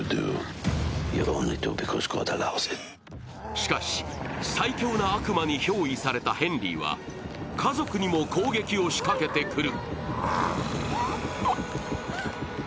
しかし、最強な悪魔に憑依されたヘンリーは、家族にも攻撃を仕掛けてくる。